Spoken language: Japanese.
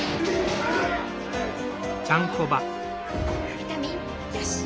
ビタミンよし！